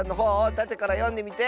たてからよんでみて！